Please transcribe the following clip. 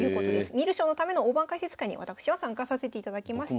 観る将のための大盤解説会に私は参加させていただきました。